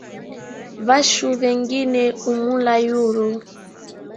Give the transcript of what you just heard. Vachu vengine humula yuru